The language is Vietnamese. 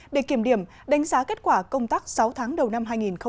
để kiểm điểm đánh giá kết quả công tác sáu tháng đầu năm hai nghìn hai mươi